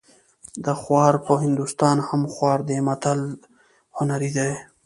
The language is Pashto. د خوار په هندوستان هم خوار دی متل هنري دی